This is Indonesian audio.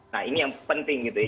nah ini yang penting gitu ya